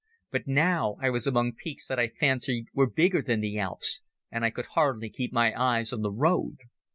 But now I was among peaks that I fancied were bigger than the Alps, and I could hardly keep my eyes on the road.